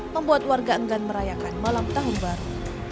membuat warga enggan merayakan malam tahun baru